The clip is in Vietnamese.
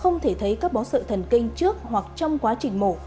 không thể thấy các bó sợ thần kinh trước hoặc trong quá trình mổ